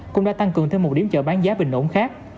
cũng đã tăng cường thêm một điểm chợ bán giá bình ổn khác